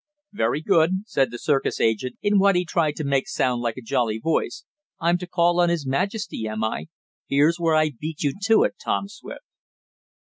"Very good," said the circus agent in what he tried to make sound like a jolly voice, "I'm to call on his majesty; am I? Here's where I beat you to it, Tom Swift."